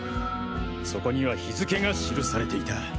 そこには日付が記されていた。